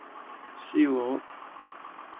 燒鵝